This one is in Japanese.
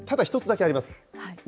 ただ一つだけあります。